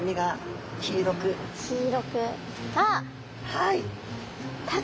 はい！